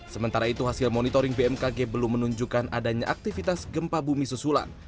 sementara itu hasil monitoring bmkg belum menunjukkan adanya aktivitas gempa bumi susulan